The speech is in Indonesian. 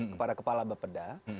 kepada kepala bepeda